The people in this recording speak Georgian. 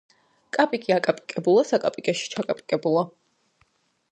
კაპიკი აკაპიკებულა საკაპეში ჩაკაპიკებულა